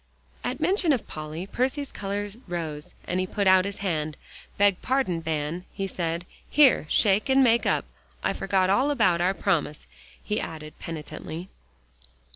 At mention of Polly, Percy's color rose, and he put out his hand. "Beg pardon, Van," he said. "Here, shake, and make up. I forgot all about our promise," he added penitently.